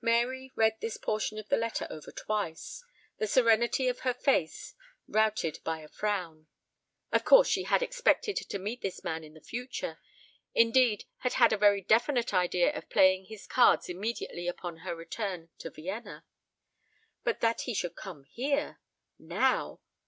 Mary read this portion of the letter over twice, the serenity of her face routed by a frown. Of course she had expected to meet this man in the future, indeed had had a very definite idea of playing his cards immediately upon her return to Vienna. But that he should come here! Now.